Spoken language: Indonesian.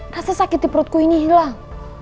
rasa sakit di perutku ini hilang